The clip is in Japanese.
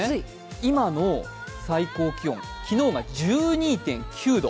今の最高気温、昨日が１２．９度。